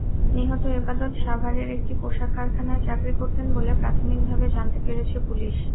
নিহত এবাদত সাভারের একটি পোশাক কারখানায় চাকরি করতেন বলে প্রাথমিকভাবে জানতে পেরেছে পুলিশ।